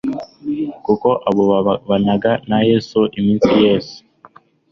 kuko bo babanaga na Yesu iminsi yese.